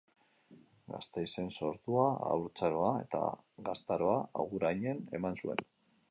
Gasteizen sortua, haurtzaroa eta gaztaroa Agurainen eman zuen.